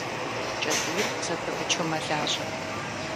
Кӏэтӏийр зэпымычу мэлажьэ.